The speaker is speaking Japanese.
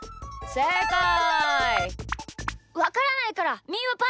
せいかい！